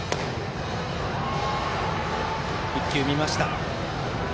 １球、見ました。